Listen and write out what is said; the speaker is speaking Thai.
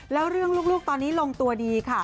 แล้วเรื่องลูกตอนนี้ลงตัวดีค่ะ